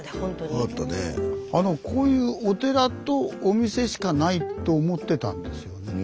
こういうお寺とお店しかないと思ってたんですよね。